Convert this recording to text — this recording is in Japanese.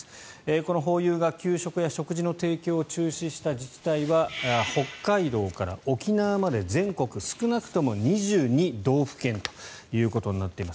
このホーユーが給食や食事の提供を中止した自治体は北海道から沖縄まで全国少なくとも２２道府県ということになっています。